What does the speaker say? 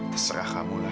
terserah kamu lah